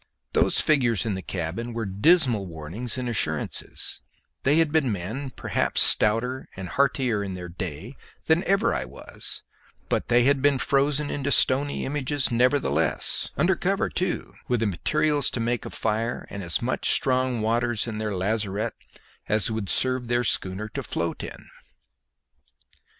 Those figures in the cabin were dismal warnings and assurances; they had been men perhaps stouter and heartier in their day than ever I was, but they had been frozen into stony images nevertheless, under cover too, with the materials to make a fire, and as much strong waters in their lazarette as would serve their schooner to float in.